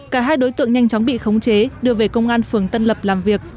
cả hai đối tượng nhanh chóng bị khống chế đưa về công an phường tân lập làm việc